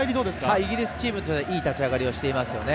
イギリスチームはいい立ち上がりをしていますよね。